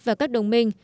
và các đồng minh